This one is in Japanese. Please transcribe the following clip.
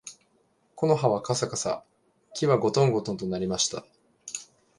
木の葉はかさかさ、木はごとんごとんと鳴りました